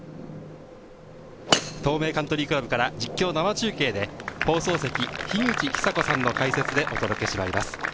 東名カントリークラブから実況生中継で放送席・樋口久子さんの解説でお届けしてまいります。